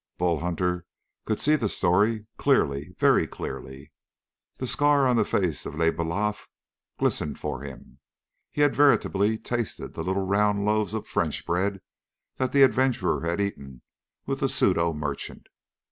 Bull Hunter could see the story clearly, very clearly. The scar on the face of Le Balafré glistened for him; he had veritably tasted the little round loaves of French bread that the adventurer had eaten with the pseudo merchant.